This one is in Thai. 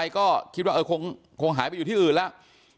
ก็คิดว่าคงหายไปอยู่ที่อื่นแล้ว